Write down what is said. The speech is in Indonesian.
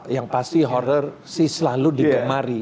yang pasti horror sih selalu digemari